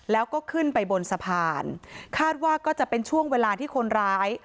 แล้วก็ขึ้นไปบนสะพานคาดว่าก็จะเป็นช่วงเวลาที่คนร้าย